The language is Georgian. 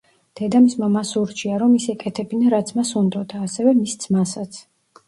დედამისმა მას ურჩია რომ ის ეკეთებინა რაც მას უნდოდა, ასევე მის ძმასაც.